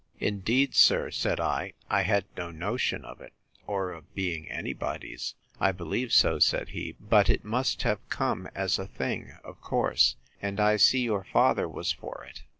Indeed, sir, said I, I had no notion of it, or of being any body's. I believe so, said he; but it must have come as a thing of course; and I see your father was for it.